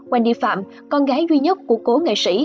wendy phạm con gái duy nhất của cố nghệ sĩ